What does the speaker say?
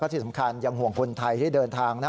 ที่สำคัญยังห่วงคนไทยที่เดินทางนะ